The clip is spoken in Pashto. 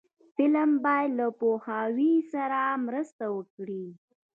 فلم باید له پوهاوي سره مرسته وکړي